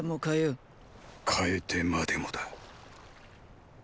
変えてまでもだ。